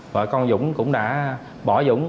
vợ con dũng cũng đã bỏ dũng